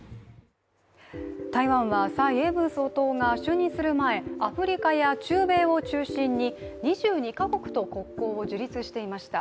台湾は蔡英文総統が就任する前、アフリカや中米を中心に、２２か国と国交を樹立していました。